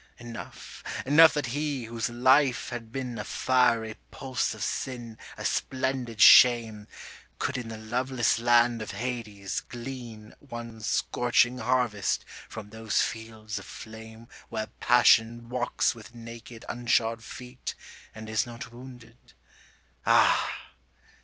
Enough, enough that he whose life had been A fiery pulse of sin, a splendid shame, Could in the loveless land of Hades glean One scorching harvest from those fields of flame Where passion walks with naked unshod feet And is not wounded,—ah!